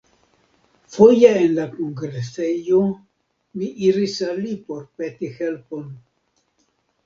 Foje en la kongresejo mi iris al li por peti helpon.